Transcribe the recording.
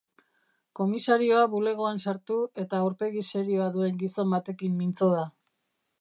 Komisarioa bulegoan sartu eta aurpegi serioa duen gizon batekin mintzo da.